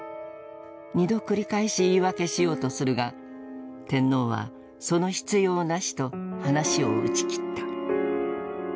二度繰り返し言い訳しようとするが天皇は「其必要なし」と話を打ち切った。